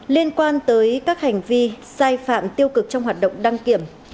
liên quan tới các hành vi sai phạm tiêu cực trong hoạt động đăng kiểm